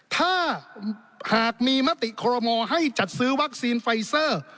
ถ้าหากมีมติคอรมอให้จัดซื้อวัคซีนไฟเซอร์